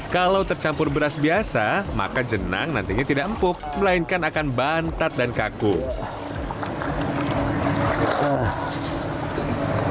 bahan ini harus terkumpul dengan air serta dikumpul dengan air dan menggilar ke dalam jenang kecil dari jenang ini untuk menghasilkan air sedikit yang terrampau ini